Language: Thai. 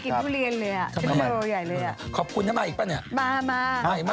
ไม่น่ากินพุเรียนเลยอ่ะขนโลใหญ่เลยอ่ะ